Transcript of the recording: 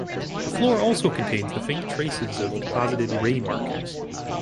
The floor also contains the faint traces of deposited ray markings.